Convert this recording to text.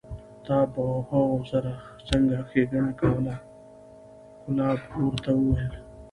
تا به هغو سره څنګه ښېګڼه کوله؟ کلاب ورته وویل: